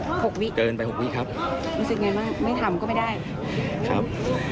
๖วินาทีเกินไป๖วินาทีครับไม่ถำก็ไม่ได้ครับ